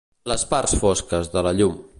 Les parts fosques de la llum.